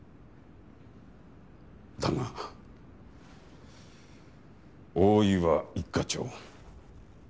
だが大岩一課長。